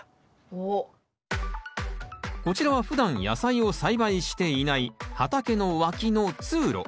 こちらはふだん野菜を栽培していない畑の脇の通路。